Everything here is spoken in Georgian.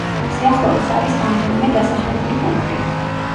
სიახლოვეს არის რამდენიმე დასახლებული პუნქტი.